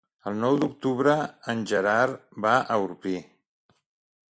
El nou d'octubre en Gerard va a Orpí.